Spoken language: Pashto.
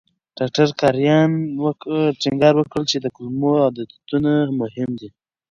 ډاکټر کرایان ټینګار وکړ چې د کولمو عادتونه مهم دي.